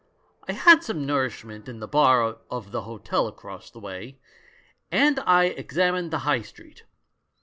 I had some nourishment in the bar of the hotel across the way, and I examined the High Street.